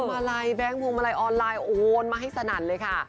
มาลัยแบงค์พวงมาลัยออนไลน์โอนมาให้สนั่นเลยค่ะ